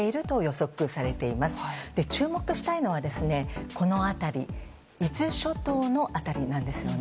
注目したいのは、この辺り、伊豆諸島の辺りなんですよね。